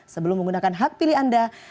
sebelum menggunakan hak pilih anda